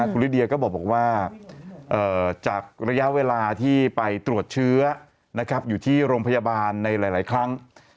คุณลิเดียก็บอกว่าจากระยะเวลาที่ไปตรวจเชื้ออยู่ที่โรงพยาบาลในหลายครั้ง